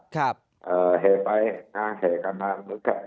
จริงอยากให้ฟังให้รู้